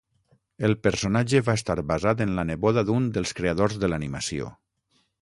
El personatge va estar basat en la neboda d'un dels creadors de l'animació.